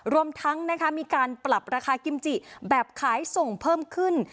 รวมทั้งมีการปรับราคากิมจิแบบขายส่งเพิ่มขึ้น